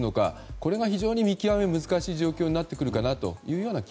これが非常に見極めが難しい状況になってくるかなと。